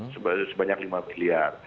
sebanyak lima bilyar